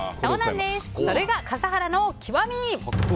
それが笠原の極み。